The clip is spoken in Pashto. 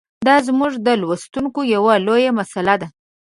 دا زموږ د لوستونکو یوه لویه مساله ده.